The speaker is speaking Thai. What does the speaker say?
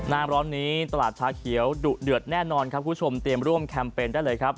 น้ำร้อนนี้ตลาดชาเขียวดุเดือดแน่นอนครับคุณผู้ชมเตรียมร่วมแคมเปญได้เลยครับ